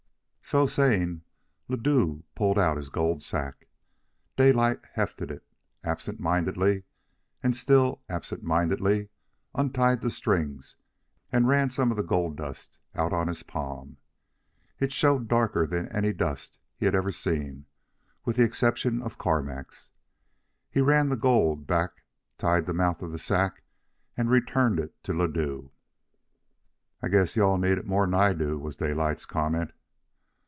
So saying, Ladue pulled out his gold sack. Daylight hefted it absent mindedly, and, still absent mindedly, untied the strings and ran some of the gold dust out on his palm. It showed darker than any dust he had ever seen, with the exception of Carmack's. He ran the gold back tied the mouth of the sack, and returned it to Ladue. "I guess you all need it more'n I do," was Daylight's comment.